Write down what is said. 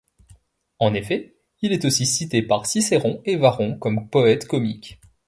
En effet, il est aussi cité par Cicéron et Varron comme poète comique.